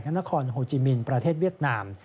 นครโฮจิมินประเทศเวียดนาม